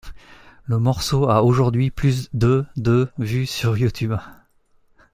Le morceau a aujourd'hui plus de de vues sur YouTube.